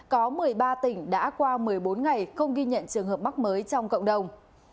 có một mươi ba tỉnh đã qua một mươi bốn ngày không ghi nhận trường hợp mắc mới trong cộng đồng